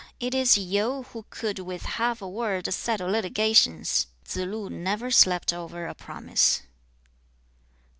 it is Yu, who could with half a word settle litigations!' 2. Tsze lu never slept over a promise.